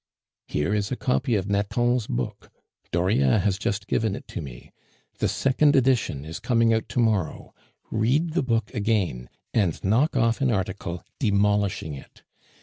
"Here is a copy of Nathan's book. Dauriat has just given it to me. The second edition is coming out to morrow; read the book again, and knock off an article demolishing it.